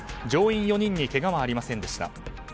乗員４人にけがはありませんでした。